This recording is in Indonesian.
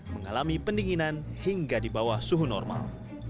mengalami pendinginan hingga di bawah suhu normal